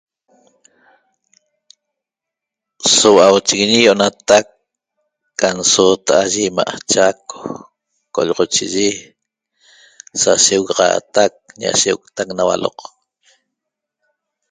So HUACHIGUIÑI ientaq can sotaha eye imaa' chaco collachigue shevaxataq nashe taq na hualoq